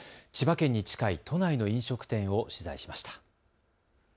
千葉県に近い都内の飲食店を取材しました。